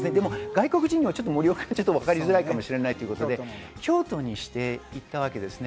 外国人には盛岡はわかりづらいかもしれないということで京都にしたわけです。